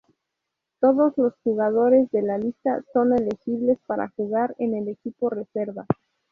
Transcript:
Todos los jugadores de la lista son elegibles para jugar en el equipo reserva.